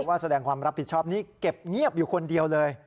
ว่าแสดงความรับผิดชอบนี้เก็บเงียบอยู่คนเดียวเลย